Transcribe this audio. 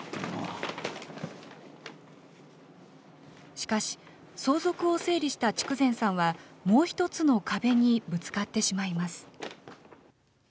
しかし、相続を整理した筑前さんは、もう一つの壁にぶつかってしまいます。